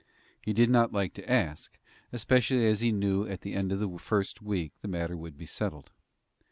He did not like to ask, especially as he knew that at the end of the first week the matter would be settled.